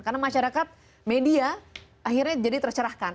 karena masyarakat media akhirnya jadi tercerahkan